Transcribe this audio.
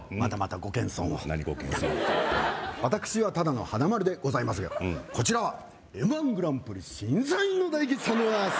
ご謙遜って私はただの華丸でございますがこちらはＭ−１グランプリ審査員の大吉さんでございます